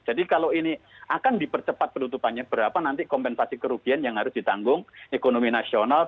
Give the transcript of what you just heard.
jadi kalau ini akan dipercepat penutupannya berapa nanti kompensasi kerubian yang harus ditanggung ekonomi nasional